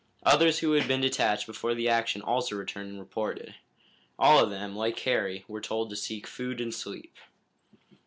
Others who had been detached before the action also returned and reported. All of them, like Harry, were told to seek food and sleep.